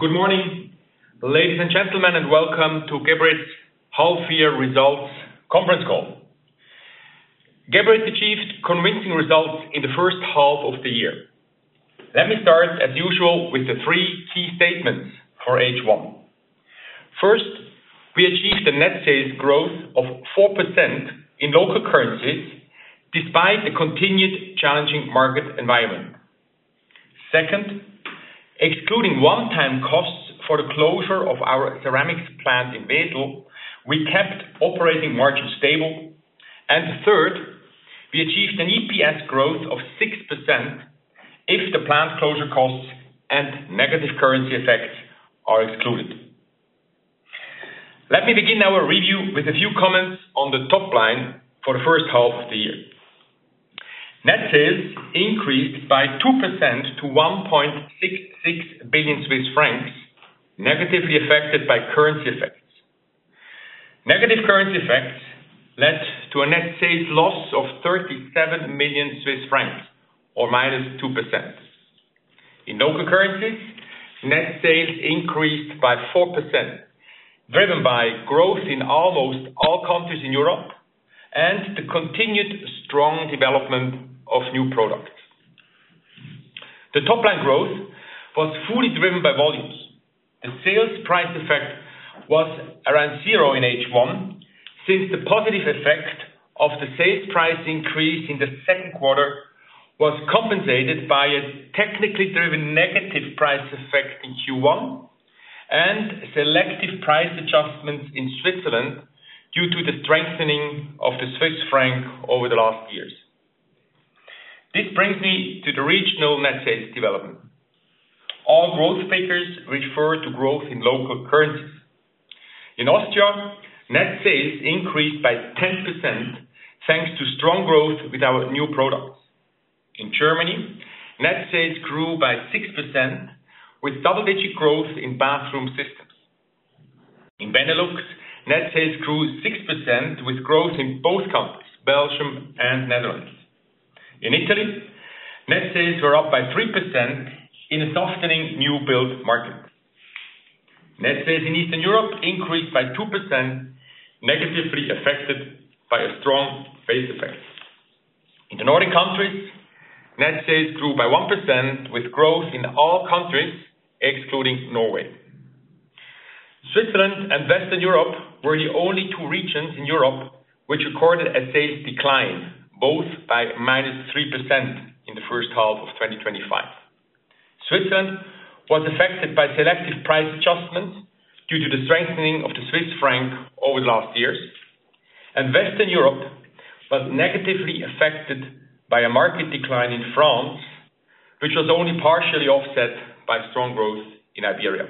Good morning, ladies and gentlemen, and welcome to Geberit's half-year results conference call. Geberit achieved convincing results in the first half of the year. Let me start, as usual, with the three key statements for H1. First, we achieved a net sales growth of 4% in local currencies, despite a continued challenging market environment. Second, excluding one-time costs for the closure of our ceramics plant in Wesel, we kept operating margins stable. Third, we achieved an EPS growth of 6% if the plant closure costs and negative currency effects are excluded. Let me begin our review with a few comments on the top line for the first half of the year. Net sales increased by 2% to 1.66 billion Swiss francs, negatively affected by currency effects. Negative currency effects led to a net sales loss of 37 million Swiss francs, or -2%. In local currencies, net sales increased by 4%, driven by growth in almost all countries in Europe, and the continued strong development of new products. The top-line growth was fully driven by volumes, and sales price effect was around zero in H1, since the positive effect of the sales price increase in the second quarter was compensated by a technically driven negative price effect in Q1 and selective price adjustments in Switzerland due to the strengthening of the Swiss franc over the last years. This brings me to the regional net sales development. All growth figures refer to growth in local currencies. In Austria, net sales increased by 10% thanks to strong growth with our new product. In Germany, net sales grew by 6% with double-digit growth in bathroom systems. In Benelux, net sales grew 6% with growth in both countries, Belgium and Netherlands. In Italy, net sales were up by 3% in a softening new build market. Net sales in Eastern Europe increased by 2%, negatively affected by a strong phase effect. In the Nordic countries, net sales grew by 1% with growth in all countries, excluding Norway. Switzerland and Western Europe were the only two regions in Europe which recorded a sales decline, both by -3% in the first half of 2025. Switzerland was affected by selective price adjustments due to the strengthening of the Swiss franc over the last years, and Western Europe was negatively affected by a market decline in France, which was only partially offset by strong growth in Iberia.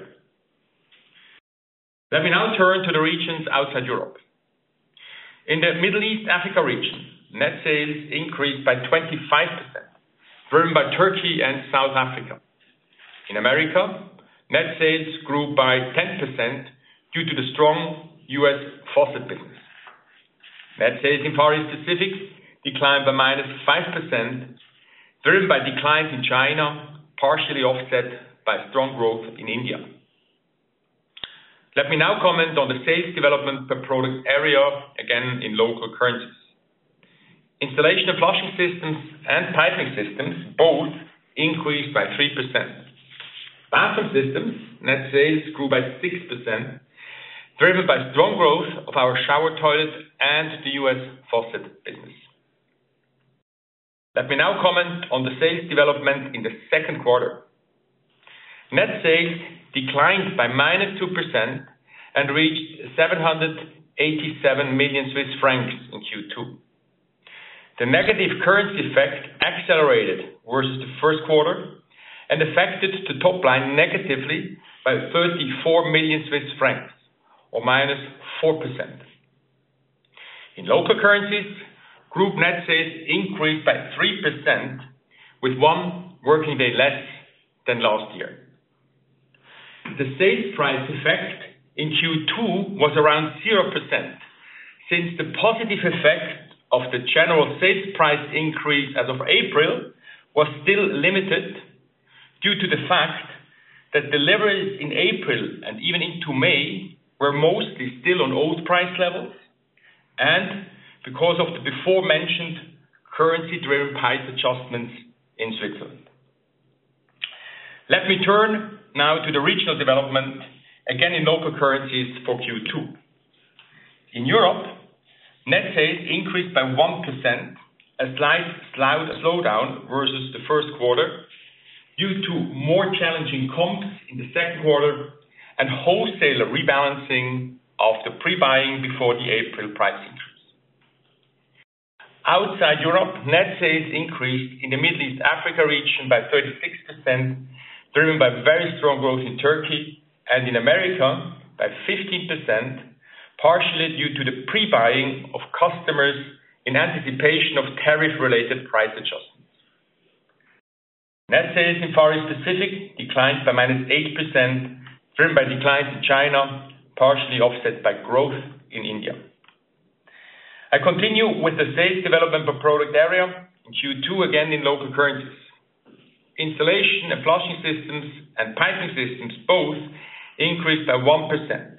Let me now turn to the regions outside Europe. In the Middle East/Africa region, net sales increased by 25%, driven by Turkey and South Africa. In America, net sales grew by 10% due to the strong U.S. faucet business. Net sales in foreign specifics declined by -5%, driven by declines in China, partially offset by strong growth in India. Let me now comment on the sales development per product area, again in local currencies. Installation and flushing systems and piping systems both increased by 3%. Bathroom systems net sales grew by 6%, driven by strong growth of our shower toilets and the U.S. faucet business. Let me now comment on the sales development in the second quarter. Net sales declined by -2% and reached 787 million Swiss francs in Q2. The negative currency effect accelerated versus the first quarter and affected the top line negatively by 34 million Swiss francs, or -4%. In local currencies, group net sales increased by 3% with one working day less than last year. The sales price effect in Q2 was around 0%, since the positive effect of the general sales price increase as of April was still limited due to the fact that deliveries in April and even into May were mostly still on old price levels and because of the before-mentioned currency-driven price adjustments in Switzerland. Let me turn now to the regional development, again in local currencies for Q2. In Europe, net sales increased by 1%, a slight slowdown versus the first quarter due to more challenging comps in the second quarter and wholesale rebalancing of the pre-buying before the April price increase. Outside Europe, net sales increased in the Middle East/Africa region by 36%, driven by very strong growth in Turkey and in America by 15%, partially due to the pre-buying of customers in anticipation of tariff-related price adjustments. Net sales in foreign specifics declined by -8%, driven by declines in China, partially offset by growth in India. I continue with the sales development per product area in Q2, again in local currencies. Installation and flushing systems and piping systems both increased by 1%,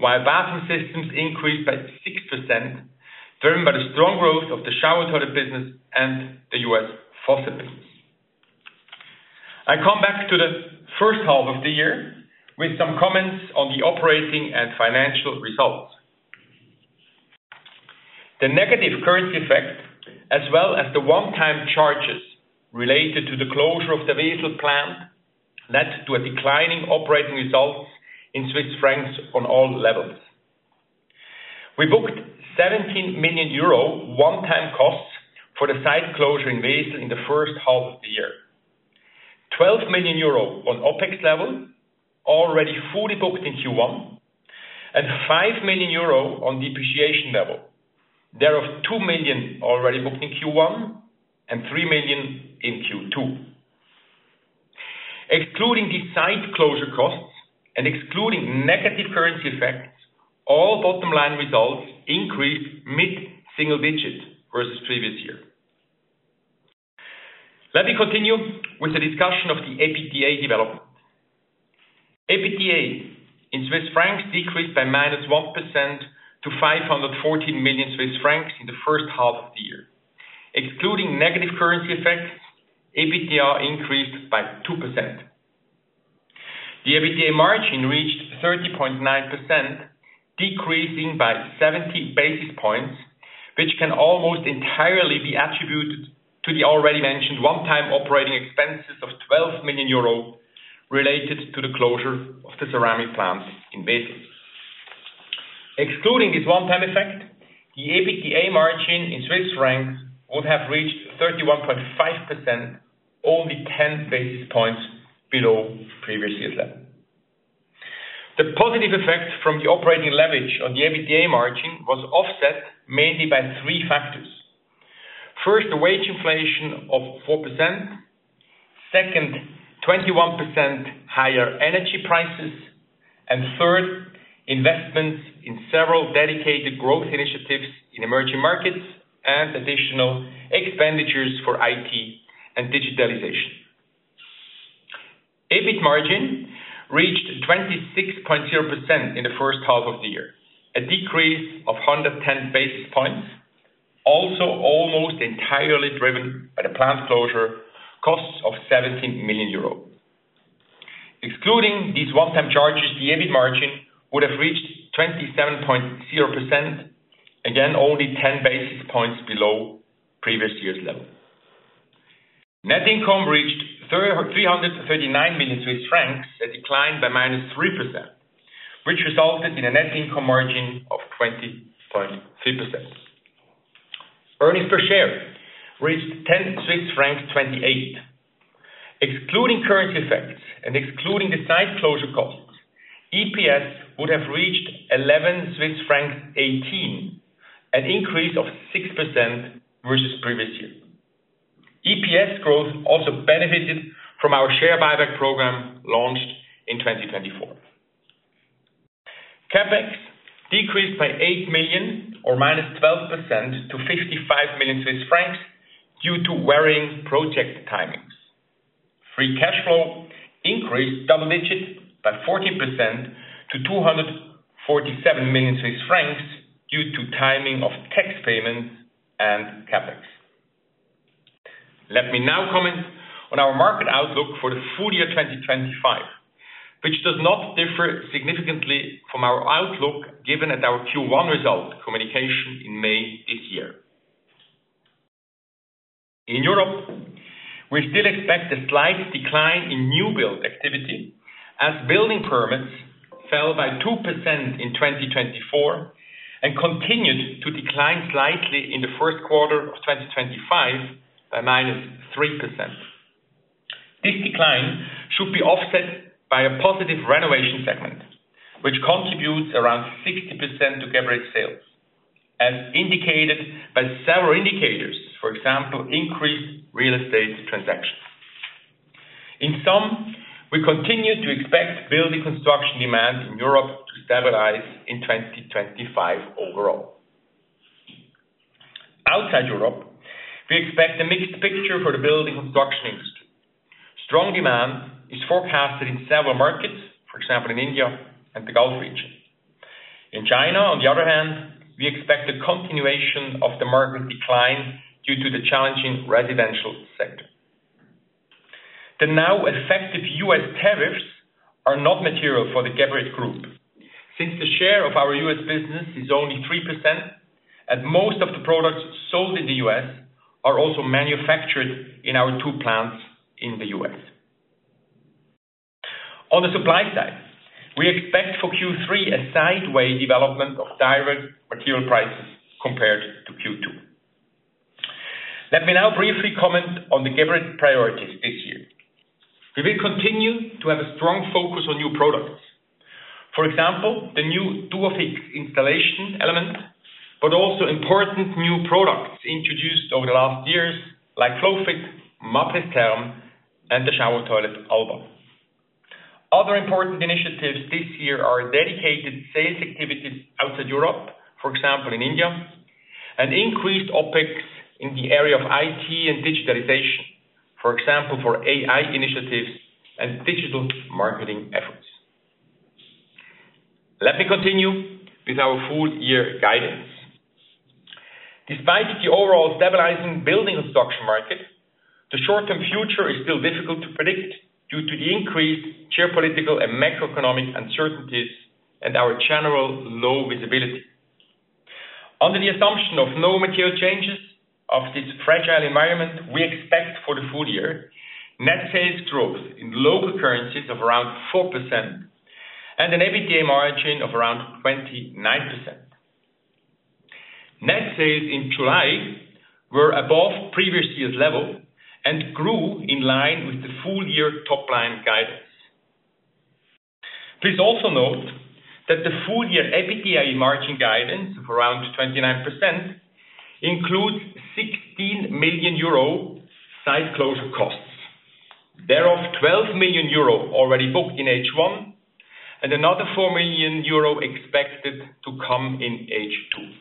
while bathroom systems increased by 6%, driven by the strong growth of the shower toilet business and the U.S. faucet business. I come back to the first half of the year with some comments on the operating and financial results. The negative currency effect, as well as the one-time charges related to the closure of the Wesel ceramics plant, led to a declining operating result in Swiss francs on all levels. We booked 17 million euro one-time costs for the site closure in Wesel in the first half of the year. 12 million euro on OpEx level, already fully booked in Q1, and 5 million euro on depreciation level, thereof 2 million already booked in Q1 and 3 million in Q2. Excluding the site closure costs and excluding negative currency effects, all bottom line results increased mid-single digit versus previous year. Let me continue with the discussion of the EBITDA development. EBITDA in Swiss francs decreased by 1% to 514 million Swiss francs in the first half of the year. Excluding negative currency effects, EBITDA increased by 2%. The EBITDA margin reached 30.9%, decreasing by 70 basis points, which can almost entirely be attributed to the already mentioned one-time operating expenses of 12 million euros related to the closure of the ceramics plant in Wesel. Excluding this one-time effect, the EBITDA margin in Swiss francs would have reached 31.5%, only 10 basis points below its previous year's level. The positive effect from the operating leverage on the EBITDA margin was offset mainly by three factors. First, the wage inflation of 4%. Second, 21% higher energy prices. Third, investments in several dedicated growth initiatives in emerging markets and additional expenditures for IT and digitalization. EBITDA margin reached 26.0% in the first half of the year, a decrease of 110 basis points, also almost entirely driven by the plant closure costs of 17 million euro. Excluding these one-time charges, the EBITDA margin would have reached 27.0%, again only 10 basis points below previous year's level. Net income reached 339 million Swiss francs, a decline by 3%, which resulted in a net income margin of 20.3%. Earnings per share reached 10.28 Swiss francs. Excluding currency effects and excluding the site closure costs, EPS would have reached 11.18 Swiss francs, an increase of 6% versus previous year. EPS growth also benefited from our share buyback program launched in 2024. CapEx decreased by 8 million, or -12% to 55 million Swiss francs due to varying project timings. Free cash flow increased double-digit by 14% to 247 million Swiss francs due to timing of tax payments and CapEx. Let me now comment on our market outlook for the full year 2025, which does not differ significantly from our outlook given at our Q1 result communication in May this year. In Europe, we still expect a slight decline in new build activity as building permits fell by 2% in 2024 and continued to decline slightly in the first quarter of 2025 by -3%. This decline should be offset by a positive renovation segment, which contributes around 60% to Geberit's sales, as indicated by several indicators, for example, increased real estate transactions. In sum, we continue to expect building construction demand in Europe to stabilize in 2025 overall. Outside Europe, we expect a mixed picture for the building construction industry. Strong demand is forecasted in several markets, for example, in India and the Gulf region. In China, on the other hand, we expect a continuation of the market decline due to the challenging residential sector. The now effective U.S. tariffs are not material for Geberit Group, since the share of our U.S. business is only 3%, and most of the products sold in the U.S. are also manufactured in our two plants in the U.S. On the supply side, we expect for Q3 a sideways development of direct material prices compared to Q2. Let me now briefly comment on the Geberit priorities this year. We will continue to have a strong focus on new products. For example, the new Duofix installation element, but also important new products introduced over the last years, like FlowFit, Mapress Therm, and the shower toilet Alba. Other important initiatives this year are dedicated sales activities outside Europe, for example, in India, and increased OpEx in the area of IT and digitalization, for example, for AI initiatives and digital marketing efforts. Let me continue with our full year guidance. Despite the overall stabilizing building construction market, the short-term future is still difficult to predict due to the increased geopolitical and macroeconomic uncertainties and our general low visibility. Under the assumption of no material changes of this fragile environment, we expect for the full year net sales growth in local currencies of around 4% and an EBITDA margin of around 29%. Net sales in July were above previous year's level and grew in line with the full year top line guidance. Please also note that the full year EBITDA margin guidance of around 29% includes 16 million euro site closure costs, thereof 12 million euro already booked in H1, and another 4 million euro expected to come in H2.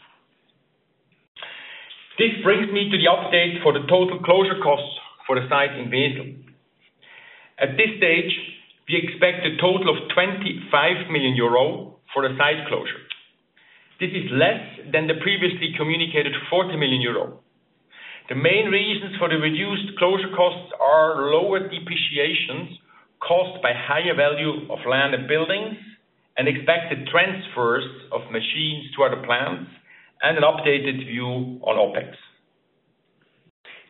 This brings me to the updates for the total closure costs for the site in Wesel. At this stage, we expect a total of 25 million euro for the site closure. This is less than the previously communicated 40 million euro. The main reasons for the reduced closure costs are lower depreciations caused by higher value of land and buildings, expected transfers of machines to other plants, and an updated view on OpEx.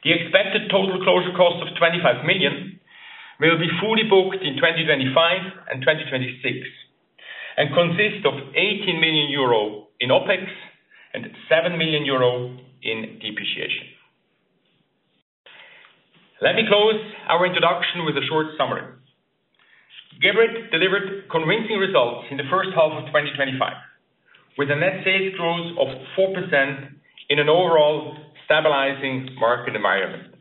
The expected total closure costs of 25 million will be fully booked in 2025 and 2026 and consist of 18 million euro in OpEx and 7 million euro in depreciation. Let me close our introduction with a short summary. Geberit delivered convincing results in the first half of 2025, with a net sales growth of 4% in an overall stabilizing market environment.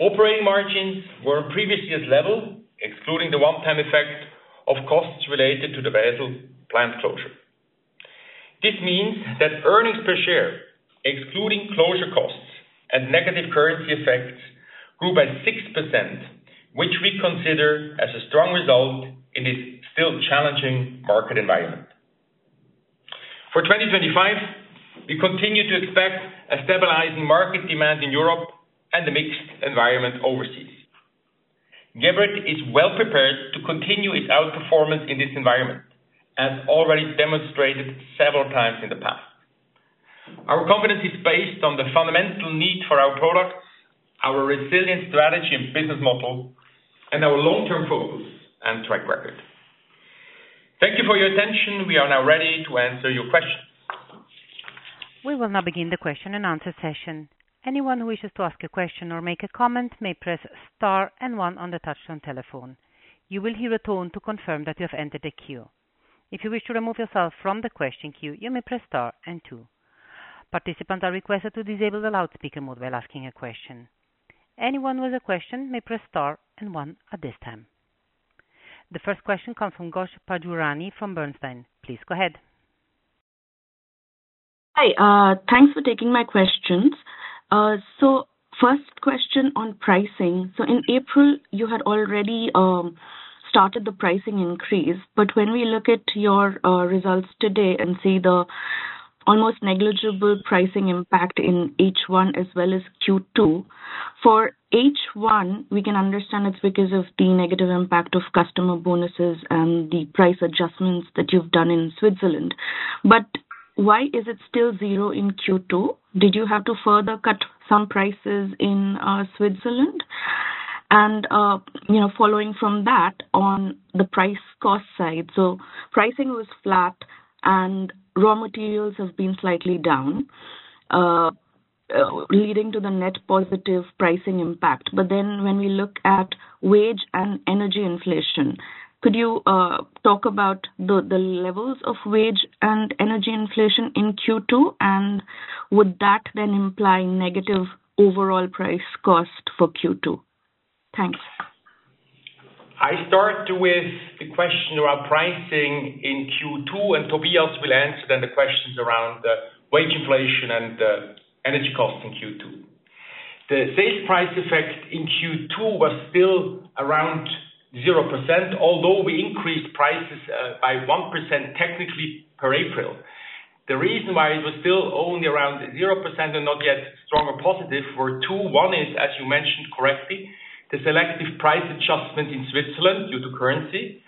Operating margins were at previous year's level, excluding the one-time effect of costs related to the Wesel ceramics plant closure. This means that earnings per share, excluding closure costs and negative currency effects, grew by 6%, which we consider as a strong result in this still challenging market environment. For 2025, we continue to expect a stabilizing market demand in Europe and a mixed environment overseas. Geberit is well prepared to continue its outperformance in this environment, as already demonstrated several times in the past. Our confidence is based on the fundamental need for our products, our resilient strategy and business model, and our long-term focus and track record. Thank you for your attention. We are now ready to answer your questions. We will now begin the question and answer session. Anyone who wishes to ask a question or make a comment may press star and one on the touch-tone telephone. You will hear a tone to confirm that you have entered the queue. If you wish to remove yourself from the question queue, you may press star and two. Participants are requested to disable the loudspeaker mode while asking a question. Anyone with a question may press star and one at this time. The first question comes from Gosh Pujarini from Bernstein. Please go ahead. Hi. Thanks for taking my questions. First question on pricing. In April, you had already started the pricing increase. When we look at your results today and see the almost negligible pricing impact in H1 as well as Q2, for H1, we can understand it's because of the negative impact of customer bonuses and the price adjustments that you've done in Switzerland. Why is it still zero in Q2? Did you have to further cut some prices in Switzerland? Following from that on the price cost side, pricing was flat and raw materials have been slightly down, leading to the net positive pricing impact. When we look at wage and energy inflation, could you talk about the levels of wage and energy inflation in Q2? Would that then imply negative overall price cost for Q2? Thanks. I start with the question around pricing in Q2, and Tobias will answer then the questions around wage inflation and energy costs in Q2. The sales price effect in Q2 was still around 0%, although we increased prices by 1% technically per April. The reason why it was still only around 0% and not yet strong or positive were two. One is, as you mentioned correctly, the selective price adjustment in Switzerland due to currency.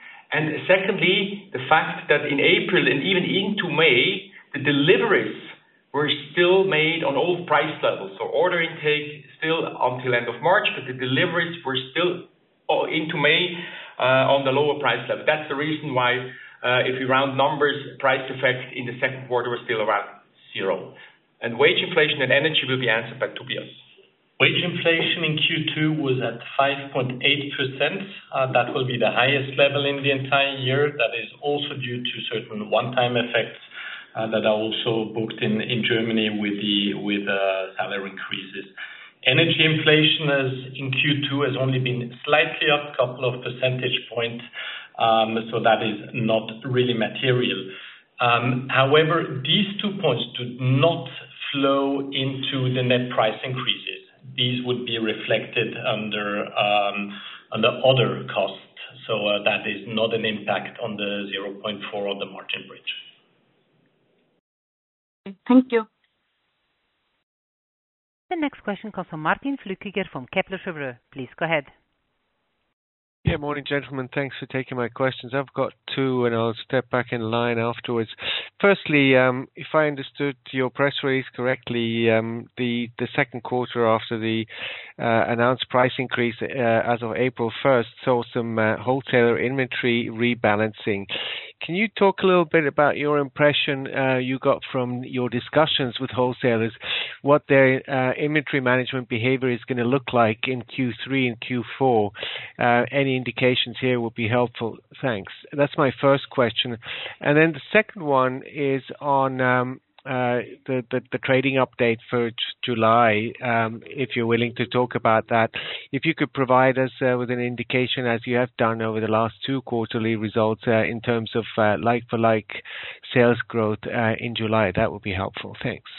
Secondly, the fact that in April and even into May, the deliveries were still made on all price levels. Order intake still until the end of March, but the deliveries were still into May on the lower price level. That's the reason why, if we round numbers, price effect in the second quarter was still around zero. Wage inflation and energy will be answered by Tobias. Wage inflation in Q2 was at 5.8%. That will be the highest level in the entire year. That is also due to certain one-time effects that are also booked in Germany with the other increases. Energy inflation in Q2 has only been slightly up a couple of percentage points, so that is not really material. However, these two points do not flow into the net price increases. These would be reflected under other costs. That is not an impact on the 0.4% on the margin bridge. Thank you. The next question comes from Martin Flueckiger from Kepler Cheuvreux. Please go ahead. Yeah, morning, gentlemen. Thanks for taking my questions. I've got two, and I'll step back in line afterwards. Firstly, if I understood your press release correctly, the second quarter after the announced price increase as of April 1st saw some wholesaler inventory rebalancing. Can you talk a little bit about your impression you got from your discussions with wholesalers, what their inventory management behavior is going to look like in Q3 and Q4? Any indications here would be helpful. Thanks. That's my first question. The second one is on the trading update for July, if you're willing to talk about that. If you could provide us with an indication, as you have done over the last two quarterly results in terms of like-for-like sales growth in July, that would be helpful. Thanks.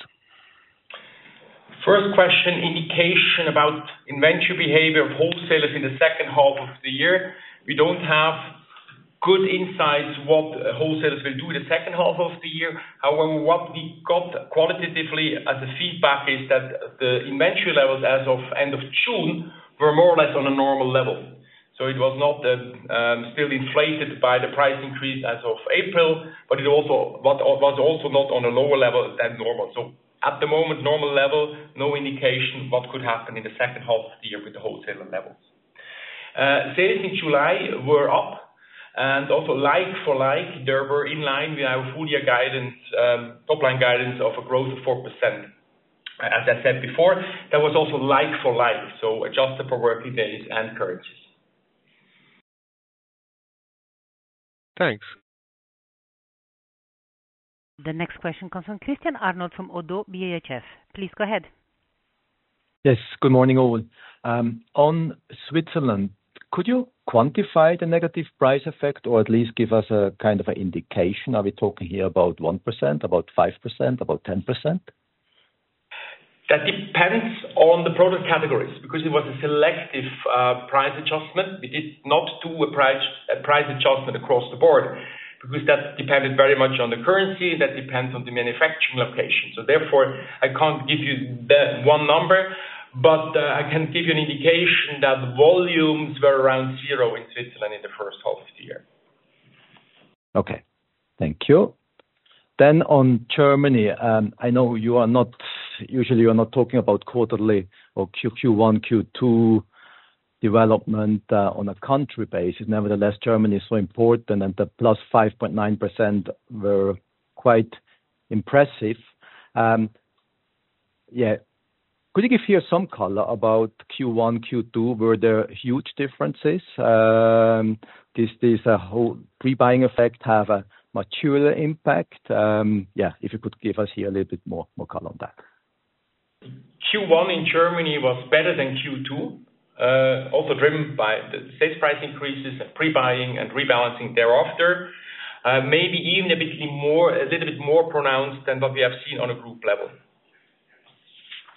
First question, indication about inventory behavior of wholesalers in the second half of the year. We don't have good insights what wholesalers will do in the second half of the year. However, what we got qualitatively as a feedback is that the inventory levels as of end of June were more or less on a normal level. It was not still inflated by the price increase as of April, but it also was not on a lower level than normal. At the moment, normal level, no indication what could happen in the second half of the year with the wholesaler levels. Sales in July were up, and also like-for-like, they were in line with our full year guidance, top line guidance of a growth of 4%. As I said before, that was also like-for-like, so adjusted per working days and currencies. Thanks. The next question comes from Christian Arnold from ODDO BHF. Please go ahead. Yes, good morning all. On Switzerland, could you quantify the negative price effect, or at least give us a kind of an indication? Are we talking here about 1%, about 5%, about 10%? That depends on the product categories because it was a selective price adjustment. We did not do a price adjustment across the board because that depended very much on the currency, and that depends on the manufacturing location. Therefore, I can't give you that one number, but I can give you an indication that volumes were around zero in Switzerland in the first half of the year. Okay. Thank you. On Germany, I know you are not usually talking about quarterly or Q1, Q2 development on a country basis. Nevertheless, Germany is so important, and the +5.9% were quite impressive. Could you give here some color about Q1, Q2? Were there huge differences? Does the whole pre-buying effect have a material impact? If you could give us here a little bit more color on that. Q1 in Germany was better than Q2, also driven by the sales price increases and pre-buying and rebalancing thereafter. Maybe even a bit more, a little bit more pronounced than what we have seen on a group level.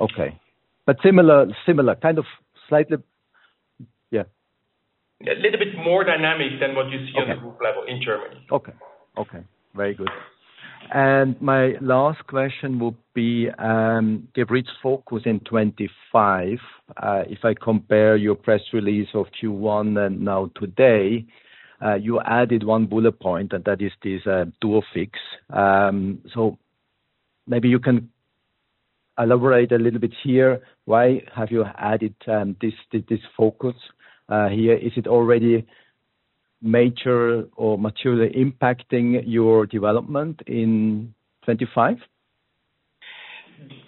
Okay, similar, kind of slightly, yeah. A little bit more dynamic than what you see on a group level in Germany. Okay. Very good. My last question will be Geberit's focus in 2025. If I compare your press release of Q1 and now today, you added one bullet point, and that is this Duofix. Maybe you can elaborate a little bit here. Why have you added this focus here? Is it already major or materially impacting your development in 2025?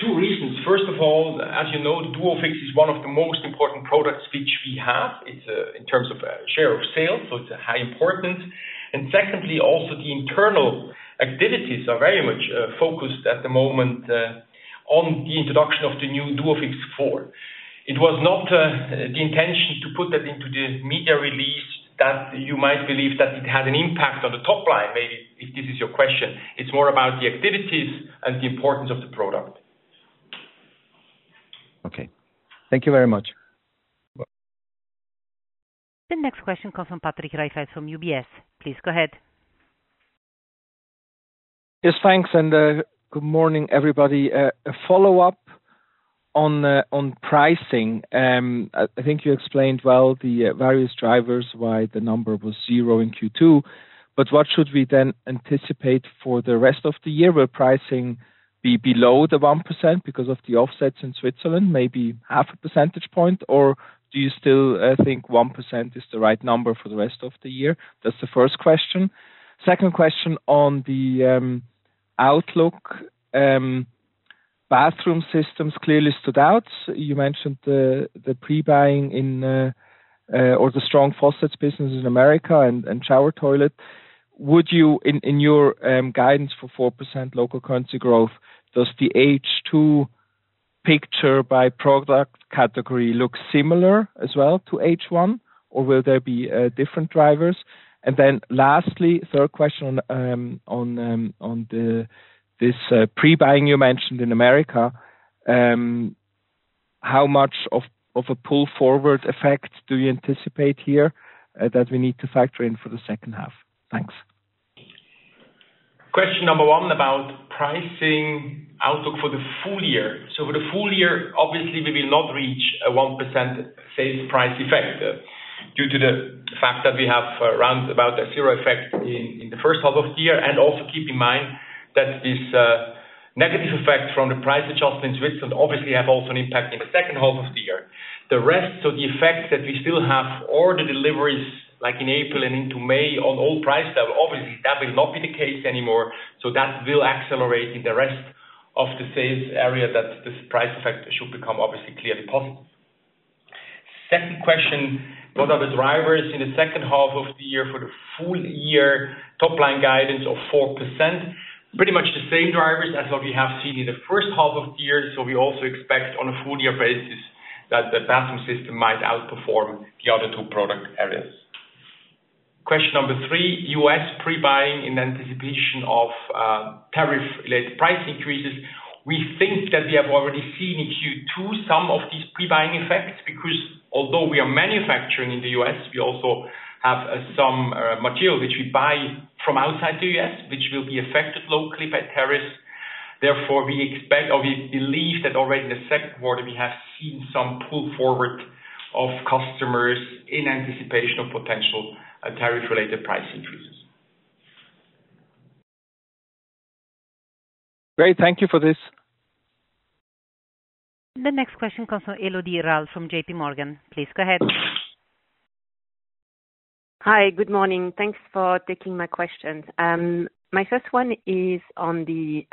Two reasons. First of all, as you know, the Duofix is one of the most important products which we have in terms of share of sales, so it's a high importance. Secondly, also the internal activities are very much focused at the moment on the introduction of the new Duofix 4. It was not the intention to put that into the media release that you might believe that it had an impact on the top line, maybe, if this is your question. It's more about the activities and the importance of the product. Okay, thank you very much. The next question comes from Patrick Rafaisz from UBS. Please go ahead. Yes, thanks. Good morning, everybody. A follow-up on pricing. I think you explained well the various drivers why the number was 0% in Q2. What should we then anticipate for the rest of the year? Will pricing be below the 1% because of the offsets in Switzerland, maybe half a percentage point? Or do you still think 1% is the right number for the rest of the year? That's the first question. Second question on the outlook. Bathroom systems clearly stood out. You mentioned the pre-buying in or the strong faucets business in America and shower toilet. In your guidance for 4% local currency growth, does the H2 picture by product category look similar as well to H1, or will there be different drivers? Lastly, third question on this pre-buying you mentioned in America, how much of a pull-forward effect do you anticipate here that we need to factor in for the second half? Thanks. Question number one about pricing outlook for the full year. For the full year, obviously, we will not reach a 1% sales price effect due to the fact that we have around about a zero effect in the first half of the year. Also, keep in mind that this negative effect from the price adjustment in Switzerland obviously has also an impact in the second half of the year. The rest, so the effect that we still have order deliveries like in April and into May on all price levels, obviously, that will not be the case anymore. That will accelerate in the rest of the sales area that this price factor should become obviously clearly positive. Second question, what are the drivers in the second half of the year for the full year top line guidance of 4%? Pretty much the same drivers as what we have seen in the first half of the year. We also expect on a full year basis that the bathroom system might outperform the other two product areas. Question number three, U.S. pre-buying in anticipation of tariff-related price increases. We think that we have already seen in Q2 some of these pre-buying effects because although we are manufacturing in the U.S., we also have some materials which we buy from outside the U.S., which will be affected locally by tariffs. Therefore, we expect or we believe that already in the second quarter, we have seen some pull forward of customers in anticipation of potential tariff-related price increases. Great. Thank you for this. The next question comes from Elodie Rall from JPMorgan. Please go ahead. Hi. Good morning. Thanks for taking my questions. My first one is on the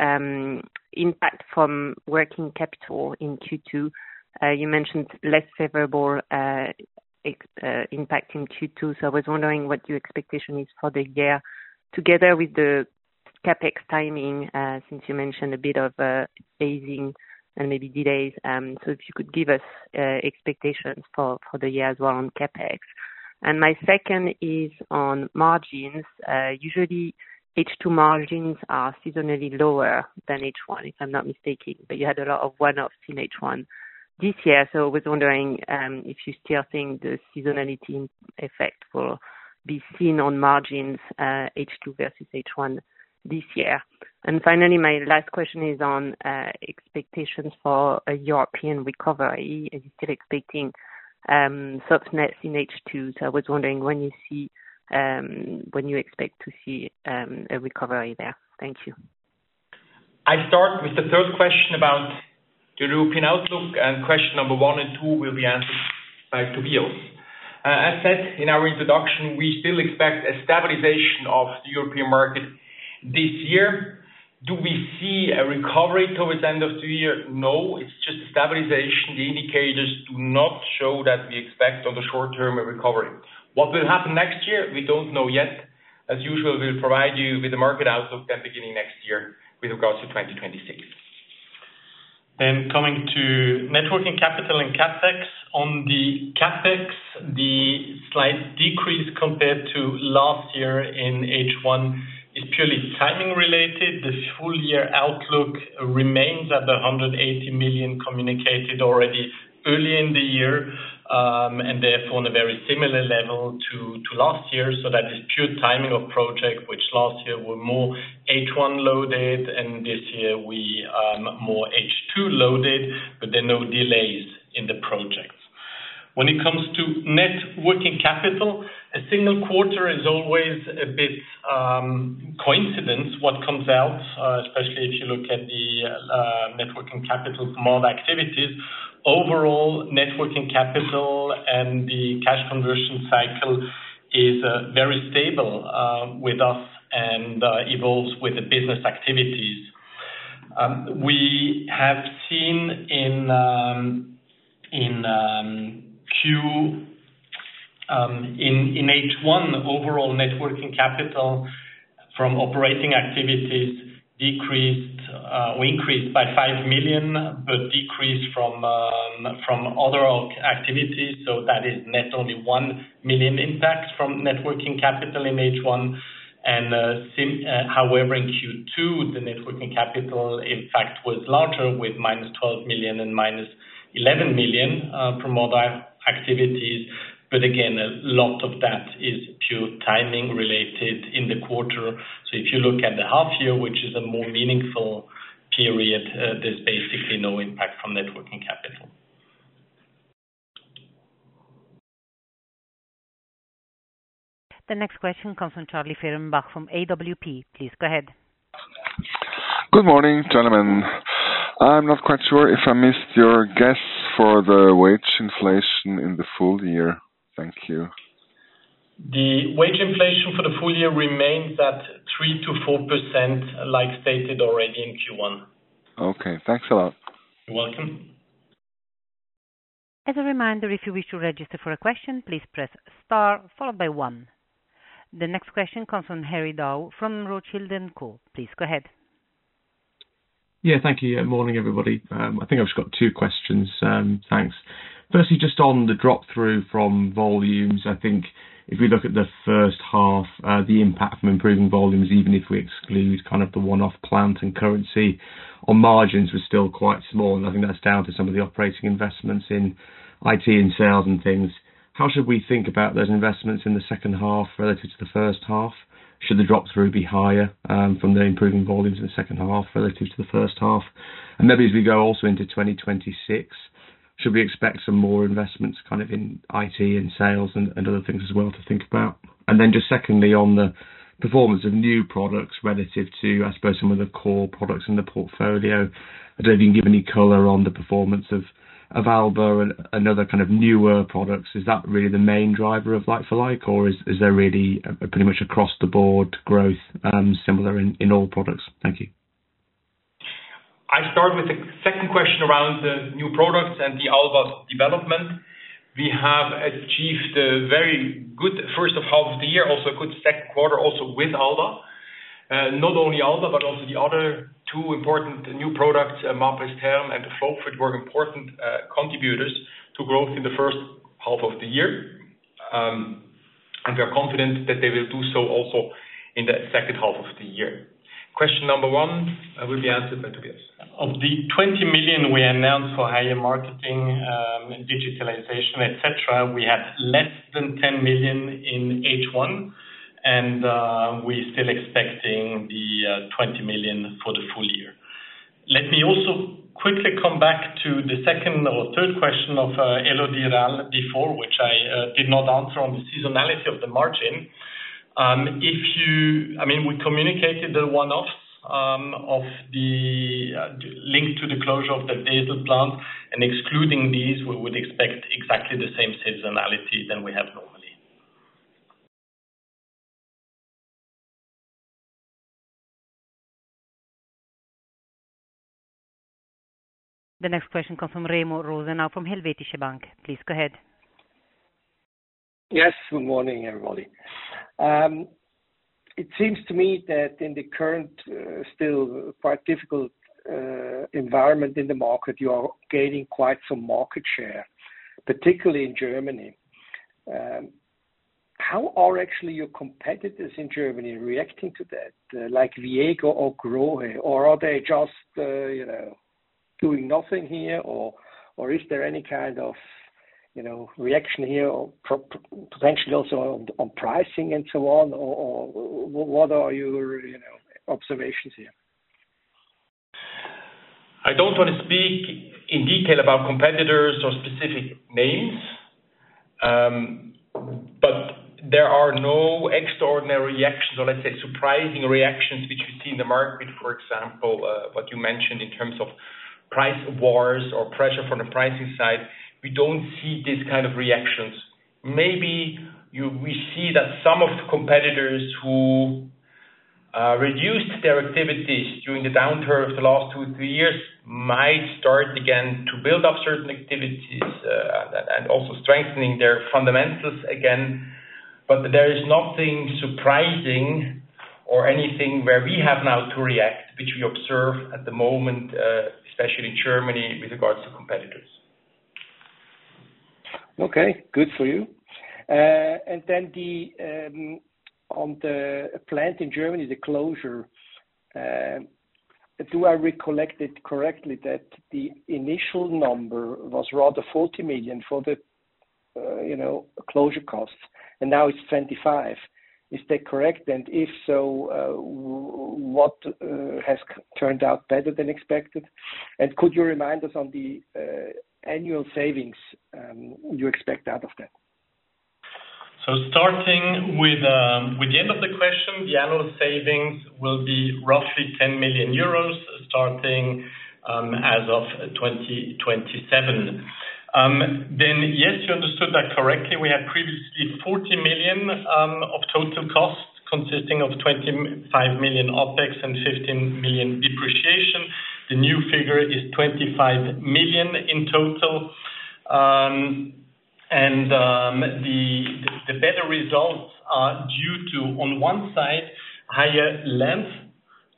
impact from working capital in Q2. You mentioned less favorable impact in Q2. I was wondering what your expectation is for the year, together with the CapEx timing, since you mentioned a bit of phasing and maybe delays. If you could give us expectations for the year as well on CapEx. My second is on margins. Usually, H2 margins are seasonally lower than H1, if I'm not mistaken. You had a lot of one-offs in H1 this year. I was wondering if you still think the seasonality effect will be seen on margins H2 versus H1 this year. Finally, my last question is on expectations for a European recovery. Are you still expecting softness in H2? I was wondering when you expect to see a recovery there. Thank you. I start with the third question about the European outlook, and question number one and two will be answered by Tobias. As said in our introduction, we still expect a stabilization of the European market this year. Do we see a recovery towards the end of the year? No, it's just a stabilization. The indicators do not show that we expect on the short term a recovery. What will happen next year, we don't know yet. As usual, we'll provide you with the market outlook at the beginning of next year with regards to 2026. Coming to net working capital and CapEx. On the CapEx, the slight decrease compared to last year in H1 is purely timing related. The full year outlook remains at the 180 million communicated already early in the year, and therefore, on a very similar level to last year. That is pure timing of projects, which last year were more H1 loaded, and this year we are more H2 loaded, but there are no delays in the projects. When it comes to net working capital, a single quarter is always a bit coincidence what comes out, especially if you look at the net working capital from all the activities. Overall, net working capital and the cash conversion cycle is very stable with us and evolves with the business activities. We have seen in H1 overall net working capital from operating activities decreased or increased by 5 million, but decreased from other activities. That is net only 1 million impacts from net working capital in H1. However, in Q2, the net working capital, in fact, was larger with -12 million and -11 million from other activities. Again, a lot of that is pure timing related in the quarter. If you look at the half year, which is a more meaningful period, there's basically no impact from net working capital. The next question comes from Charlie Fehrenbach from AWP. Please go ahead. Good morning, gentlemen. I'm not quite sure if I missed your guess for the wage inflation in the full year. Thank you. The wage inflation for the full year remains at 3%-4%, like stated already in Q1. Okay, thanks a lot. You're welcome. As a reminder, if you wish to register for a question, please press star followed by one. The next question comes from Harry Dow from Rothschild & Co. Please go ahead. Yeah, thank you. Morning, everybody. I think I've just got two questions. Thanks. Firstly, just on the drop through from volumes. I think if we look at the first half, the impact from improving volumes, even if we exclude kind of the one-off plant and currency, on margins was still quite small. I think that's down to some of the operating investments in IT and sales and things. How should we think about those investments in the second half relative to the first half? Should the drop through be higher from the improving volumes in the second half relative to the first half? Maybe as we go also into 2026, should we expect some more investments kind of in IT and sales and other things as well to think about? Secondly, on the performance of new products relative to, I suppose, some of the core products in the portfolio. I don't know if you can give any color on the performance of Alba and other kind of newer products. Is that really the main driver of like-for-like, or is there really pretty much across-the-board growth similar in all products? Thank you. I start with the second question around the new products and the Alba development. We have achieved a very good first half of the year, also a good second quarter, also with Alba. Not only Alba, but also the other two important new products, Mapress Therm and FlowFit, were important contributors to growth in the first half of the year. We are confident that they will do so also in the second half of the year. Question number one will be answered by Tobias. Of the 20 million we announced for higher marketing and digitalization, etc., we had less than 10 million in H1, and we're still expecting the 20 million for the full year. Let me also quickly come back to the second or third question of Elodie Rall before, which I did not answer on the seasonality of the margin. I mean, we communicated the one-offs linked to the closure of the Wesel ceramics plant, and excluding these, we would expect exactly the same seasonality that we have normally. The next question comes from Remo Rosenau from Helvetische Bank. Please go ahead. Yes. Good morning, everybody. It seems to me that in the current, still quite difficult environment in the market, you are gaining quite some market share, particularly in Germany. How are actually your competitors in Germany reacting to that, like Viega or Grohe? Are they just doing nothing here? Is there any kind of reaction here or potentially also on pricing and so on? What are your observations here? I don't want to speak in detail about competitors or specific names, but there are no extraordinary reactions or, let's say, surprising reactions which we see in the market. For example, what you mentioned in terms of price wars or pressure from the pricing side, we don't see these kind of reactions. Maybe we see that some of the competitors who reduced their activities during the downturn of the last two or three years might start again to build up certain activities and also strengthening their fundamentals again. There is nothing surprising or anything where we have now to react, which we observe at the moment, especially in Germany with regards to competitors. Okay. Good for you. On the plant in Germany, the closure, do I recollect it correctly that the initial number was rather $40 million for the closure costs, and now it's $25 million? Is that correct? If so, what has turned out better than expected? Could you remind us on the annual savings you expect out of that? Starting with the end of the question, the annual savings will be roughly 10 million euros starting as of 2027. Yes, you understood that correctly. We had previously 40 million of total costs consisting of 25 million OpEx and 15 million depreciation. The new figure is 25 million in total. The better results are due to, on one side, higher length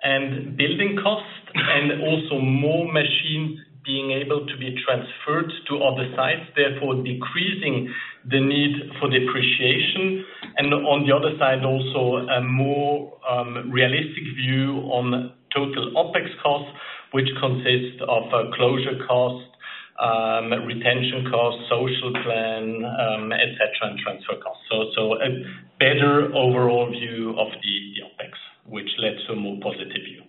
and building costs and also more machines being able to be transferred to other sites, therefore decreasing the need for depreciation. On the other side, also a more realistic view on total OpEx costs, which consists of closure costs, retention costs, social plan, etc., and transfer costs. A better overall view of the OpEx led to a more positive view.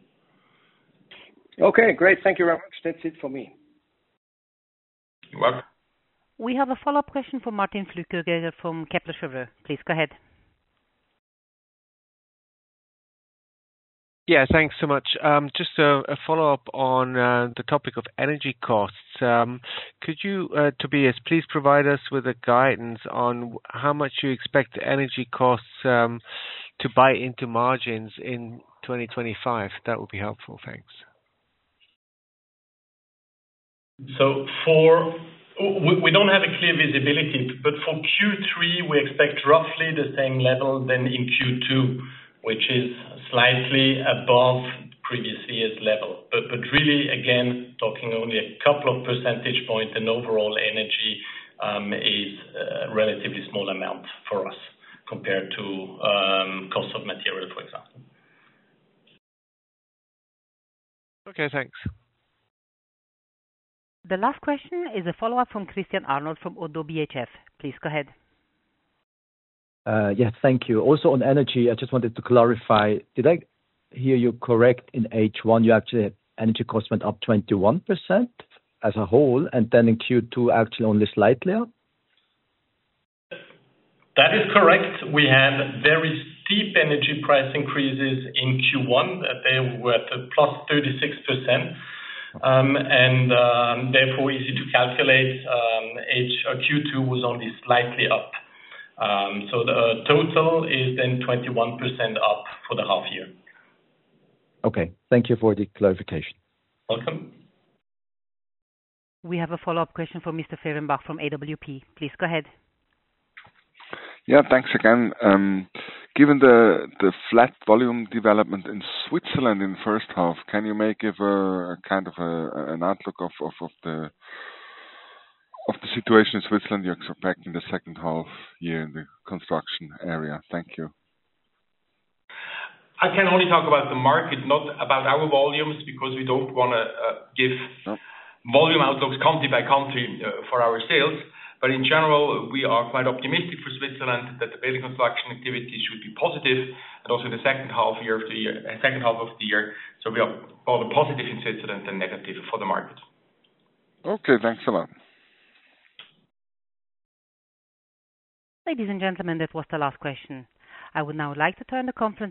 Okay. Great. Thank you very much. That's it for me. You're welcome. We have a follow-up question from Martin Flueckiger from Kepler Cheuvreux. Please go ahead. Yeah, thanks so much. Just a follow-up on the topic of energy costs. Could you, Tobias, please provide us with the guidance on how much you expect energy costs to buy into margins in 2025? That would be helpful. Thanks. We don't have a clear visibility, but for Q3, we expect roughly the same level as in Q2, which is slightly above previous year's level. Really, again, talking only a couple of percentage points, and overall energy is a relatively small amount for us compared to cost of material, for example. Okay. Thanks. The last question is a follow-up from Christian Arnold from ODDO BHF. Please go ahead. Thank you. Also on energy, I just wanted to clarify. Did I hear you correct in H1? You actually had energy costs went up 21% as a whole, and then in Q2 actually only slightly up. That is correct. We had very steep energy price increases in Q1. They were at +36%. Therefore, easy to calculate, H2 was only slightly up. The total is then 21% up for the half year. Okay, thank you for the clarification. Welcome. We have a follow-up question for Mr. Fehrenbach from AWP. Please go ahead. Yeah, thanks again. Given the flat volume development in Switzerland in the first half, can you make a kind of an outlook of the situation in Switzerland? You're expecting the second half here in the construction area. Thank you. I can only talk about the market, not about our volumes because we don't want to give volume outlooks country by country for our sales. In general, we are quite optimistic for Switzerland that building construction activities should be positive. Also, in the second half of the year, we are rather positive in Switzerland than negative for the market. Okay, thanks a lot. Ladies and gentlemen, that was the last question. I would now like to turn the conference.